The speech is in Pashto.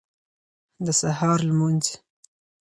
د سهار لمونځ